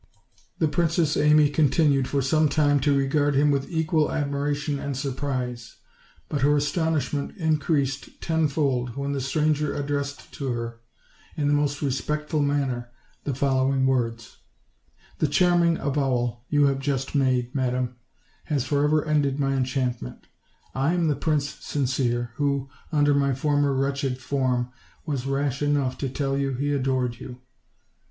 The Princess Amy continued for some time to regard him with equal admiration and surprise; but her astonish ment increased tenfold when the stranger addressed to her, in the most respectful manner, the following words: OLD, OLD FAIRY TALES. J61 "The charming avowal you have just m ade, madam, has forever ended my enchantment. I am the Prince Sincere who, under my former wretched form, was rash enough to tell you he adored you."